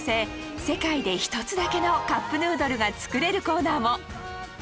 世界で一つだけのカップヌードルが作れるコーナーも